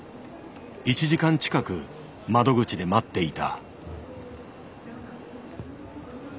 １時間近く窓口で待っていた。